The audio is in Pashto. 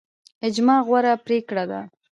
اجماع غوره پریکړه ده